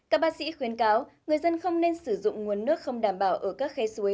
các bác sĩ khuyến cáo người dân không nên sử dụng nguồn nước không đảm bảo ở các khe suối